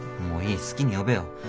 もういい好きに呼べよ。